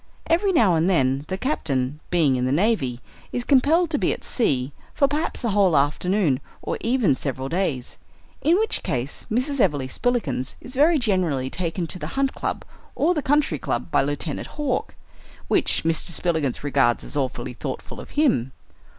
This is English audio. Every now and then the captain, being in the navy, is compelled to be at sea for perhaps a whole afternoon or even several days; in which case Mrs. Everleigh Spillikins is very generally taken to the Hunt Club or the Country Club by Lieutenant Hawk, which Mr. Spillikins regards as awfully thoughtful of him.